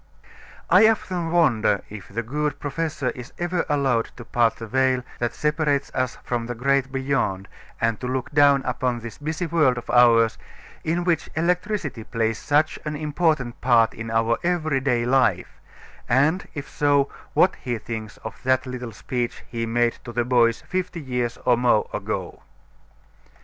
I often wonder if the good professor is ever allowed to part the veil that separates us from the great beyond and to look down upon this busy world of ours in which electricity plays such an important part in our every day life; and if so, what he thinks of that little speech he made to the boys fifty years or more ago.